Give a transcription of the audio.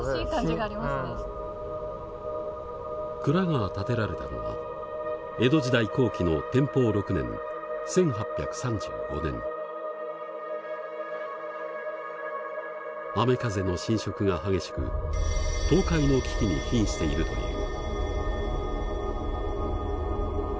蔵が建てられたのは江戸時代後期の雨風の浸食が激しく倒壊の危機にひんしているという。